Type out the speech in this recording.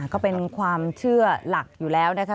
ก็เป็นความเชื่อหลักอยู่แล้วนะคะ